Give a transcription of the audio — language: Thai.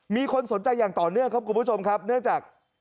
มีคนสนใจอย่างต่อเนื่องครับคุณผู้ชมครับเนื่องจาก